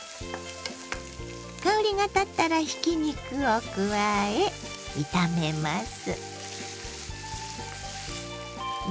香りが立ったらひき肉を加え炒めます。